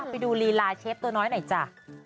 ไปดูลีลาเชฟตัวน้อยหน่อยจ้ะ